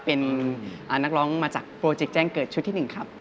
เป็นนักร้องมาจากโปรเจกต์แจ้งเกิดชุดที่๑ครับ